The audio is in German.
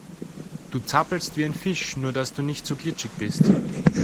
Du zappelst wie ein Fisch, nur dass du nicht so glitschig bist.